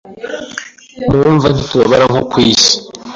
Mu mva ntitubabara nko kwisi